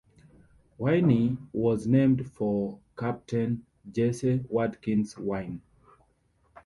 Wynne was named for Captain Jesse Watkins Wynne.